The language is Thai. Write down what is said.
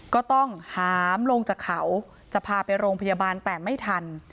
ก็ต้องหามลงจากเขาจะพาไปโรงพยาบาลแต่ไม่ทัน